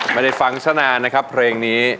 ไม่ได้ฟังชะนานนะครับเพลงนี้